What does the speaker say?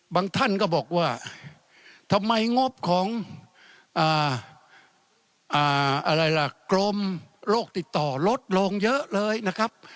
ท่านก็บอกว่าทำไมงบของอะไรล่ะกรมโรคติดต่อลดลงเยอะเลยนะครับ